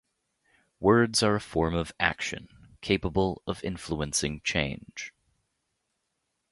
'Words are a form of action, capable of influencing change'